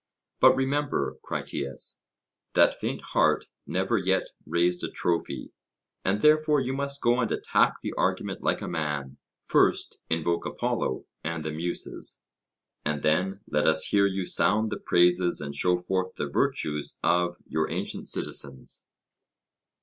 But remember, Critias, that faint heart never yet raised a trophy; and therefore you must go and attack the argument like a man. First invoke Apollo and the Muses, and then let us hear you sound the praises and show forth the virtues of your ancient citizens.